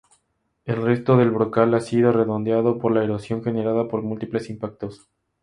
El resto del brocal ha sido redondeado por la erosión generada por múltiples impactos.